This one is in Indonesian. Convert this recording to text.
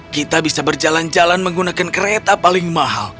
kita bisa berjalan jalan menggunakan kereta paling mahal